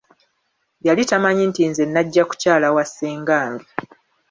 Yali tamanyi nti nze najja kukyala wa ssengange.